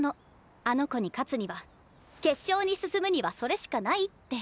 あの子に勝つには決勝に進むにはそれしかないって。